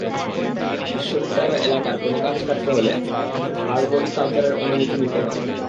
বিশ্ববিদ্যালয় এলাকার কোনো গাছ কাটতে হলে আরবরি কালচারের অনুমতি নিতে হয়।